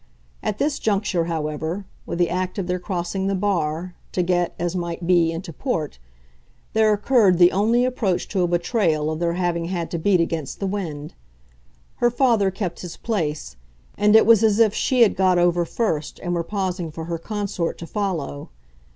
At this juncture, however with the act of their crossing the bar, to get, as might be, into port there occurred the only approach to a betrayal of their having had to beat against the wind. Her father kept his place, and it was as if she had got over first and were pausing for her consort to follow.